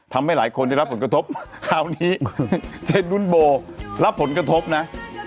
ทำให้หลายคนได้รับผลกระทบคราวนี้เจ๊นุ่นโบรับผลกระทบนะ